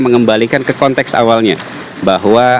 mengembalikan ke konteks awalnya bahwa